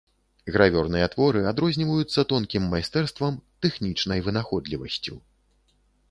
Гравёрныя творы адрозніваюцца тонкім майстэрствам, тэхнічнай вынаходлівасцю.